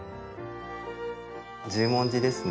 十文字ですね。